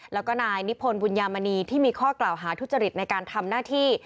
แล้วก็นายนิพนธ์บุญยามณีที่มีข้อกล่าวหาทุจริตในการทำหน้าที่